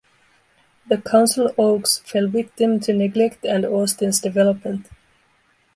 The Council Oaks fell victim to neglect and Austin's development.